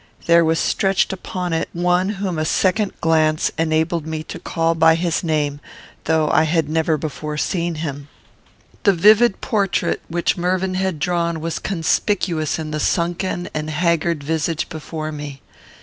There was stretched upon it one whom a second glance enabled me to call by his name, though I had never before seen him. The vivid portrait which Mervyn had drawn was conspicuous in the sunken and haggard visage before me.